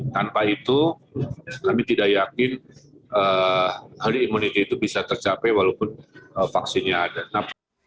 tanpa itu kami tidak yakin herd immunity itu bisa tercapai walaupun vaksinnya ada